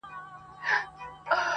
جوړ له انګورو څه پیاله ستایمه،